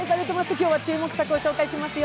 今日は注目作をご紹介しますよ。